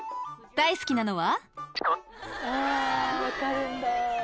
大好きなのは？